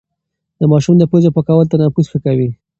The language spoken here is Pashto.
د ماشوم د پوزې پاکول تنفس ښه کوي.